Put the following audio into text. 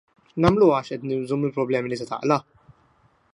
Nagħmluha għax qed nibżgħu mill-problemi li se taqla'?